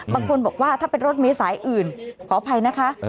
บางคนบอกว่าถ้าเป็นรถเมษายอื่นขออภัยนะคะ